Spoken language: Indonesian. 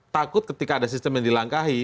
takut ketika ada sistem yang dilangkahi